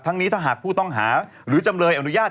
การประจานผู้ต้องหาหรือจำเลยอนุญาต